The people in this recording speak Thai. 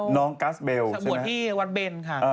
กัสเบลบวชที่วัดเบนค่ะ